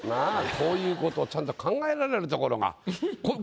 こういうことをちゃんと考えられるところが。